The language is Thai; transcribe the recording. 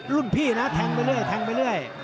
รุ่นพี่นะแทงไปเรื่อย